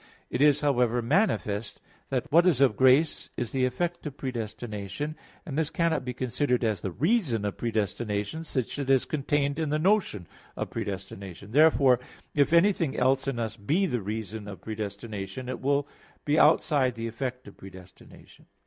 It is, however, manifest that what is of grace is the effect of predestination; and this cannot be considered as the reason of predestination, since it is contained in the notion of predestination. Therefore, if anything else in us be the reason of predestination, it will outside the effect of predestination.